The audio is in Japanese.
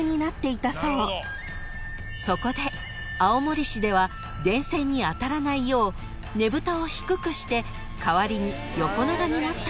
［そこで青森市では電線に当たらないようねぶたを低くして代わりに横長になったといいます］